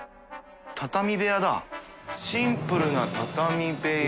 畳部屋だシンプルな畳部屋。